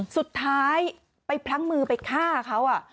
สุดท้ายไปพลั้งมือไปฆ่าเขา